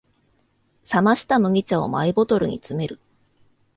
冷ました麦茶をマイボトルに詰める